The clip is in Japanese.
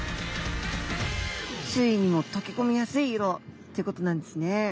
周囲にも溶け込みやすい色ってことなんですね。